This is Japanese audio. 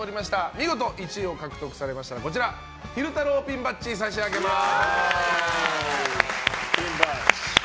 見事１位を獲得されますと昼太郎ピンバッジを差し上げます。